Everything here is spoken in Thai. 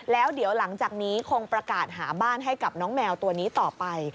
แล้วเดี๋ยวหลังจากนี้คงประกาศหาบ้านให้กับน้องแมวตัวนี้ต่อไป